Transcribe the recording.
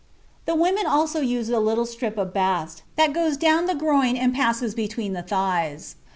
The women also use a little strip of bast that goes down the groin and passes between the thighs.